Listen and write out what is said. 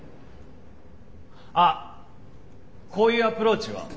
あっこういうアプローチは？